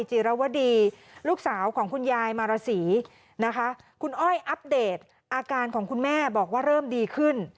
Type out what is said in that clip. จิรวดีลูกสาวของคุณยายมารสีนะคะคุณอ้อยอัปเดตอาการของคุณแม่บอกว่าเริ่มดีขึ้น